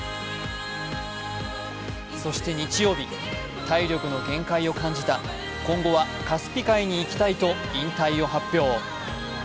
そして日曜日、体力の限界を感じた今後はカスピ海に行きたいと、引退を発表。